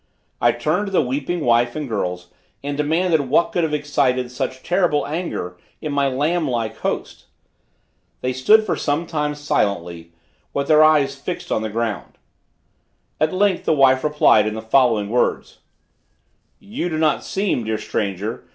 I turned to the weeping wife and girls and demanded what could have excited such terrible anger in my lamb like host. They stood for some time, silently, with their eyes fixed on the ground. At length, the wife replied in the following words: "You do not seem, dear stranger!